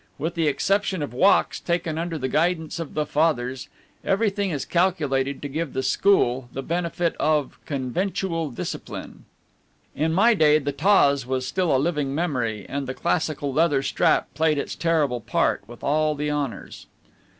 With the exception of walks taken under the guidance of the Fathers, everything is calculated to give the School the benefit of conventual discipline; in my day the tawse was still a living memory, and the classical leather strap played its terrible part with all the honors.